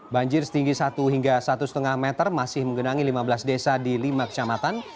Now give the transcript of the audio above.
banjir setinggi satu hingga satu lima meter masih menggenangi lima belas desa di lima kecamatan